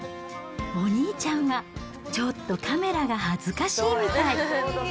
お兄ちゃんはちょっとカメラが恥ずかしいみたい。